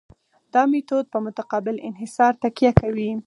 دا میتود په متقابل انحصار تکیه کوي